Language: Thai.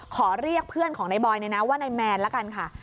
ขอเรียกเพื่อนของนายบอยเลยนะว่านายแมนละกันค่ะ